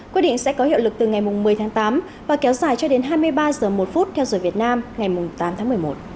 quyết định sẽ có hiệu lực từ ngày một mươi tháng tám và kéo dài cho đến hai mươi ba h một theo giờ việt nam ngày tám tháng một mươi một